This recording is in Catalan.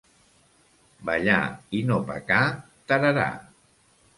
Ballar i no pecar, tararà.